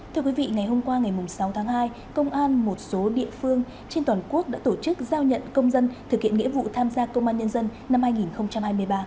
thưa quý vị ngày hôm qua ngày sáu tháng hai công an một số địa phương trên toàn quốc đã tổ chức giao nhận công dân thực hiện nghĩa vụ tham gia công an nhân dân năm hai nghìn hai mươi ba